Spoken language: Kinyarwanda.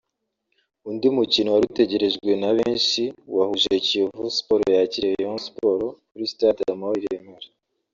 undi mukino wari utegerejwe na benshi wahuje Kiyovu Sport yakiriye Rayon Sport kuri stade Amahoro i Remera